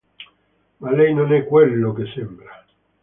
Ma lei non è quello che sembra...